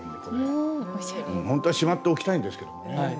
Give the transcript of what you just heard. ほんとはしまっておきたいんですけれどね。